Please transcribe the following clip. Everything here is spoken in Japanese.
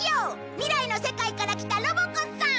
未来の世界から来たロボ子さん！